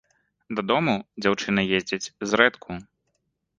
Дадому дзяўчына ездзіць зрэдку.